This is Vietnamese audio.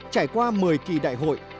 trải qua một mươi kỳ đại hội